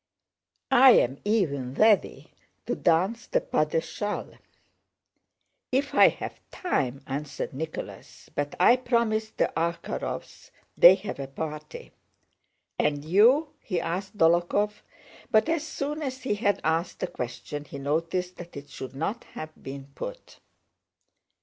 "I'm even weady to dance the pas de châle." "If I have time," answered Nicholas. "But I promised the Arkhárovs; they have a party." "And you?" he asked Dólokhov, but as soon as he had asked the question he noticed that it should not have been put.